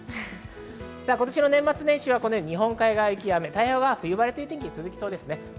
今年の年末年始はこのように日本海側、雪や雨、太平洋側は冬晴れという天気が続きそうです。